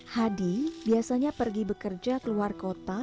hadi biasanya pergi bekerja keluar kota